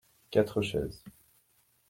Quatre chaises.